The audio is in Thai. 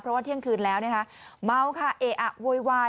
เพราะว่าเที่ยงคืนแล้วนะคะเมาค่ะเออะโวยวาย